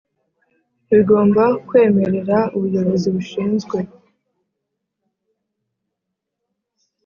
bigomba kwemerera Ubuyobozi bushinzwe